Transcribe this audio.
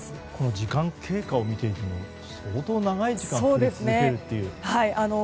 時間経過を見ていても相当、長い時間降り続けるんですね。